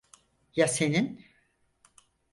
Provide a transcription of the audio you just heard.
Ya senin?